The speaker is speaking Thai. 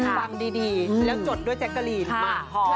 ฟังดีแล้วจดด้วยแจ๊กกะลีนเหมือนฮอม